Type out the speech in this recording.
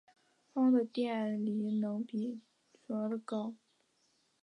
钫的电离能比铯稍高。